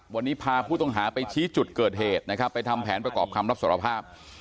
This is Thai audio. วันนี้พาผู้ต้องหาไปชี้จุดเกิดเหตุนะครับไปทำแผนประกอบคำรับสารภาพ